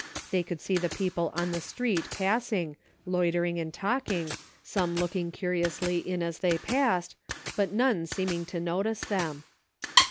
They could see the people on the street passing, loitering and talking, some looking curiously in as they passed, but none seeming to notice them.